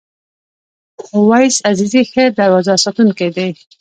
اویس عزیزی ښه دروازه ساتونکی دی.